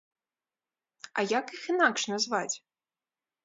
А як іх інакш назваць?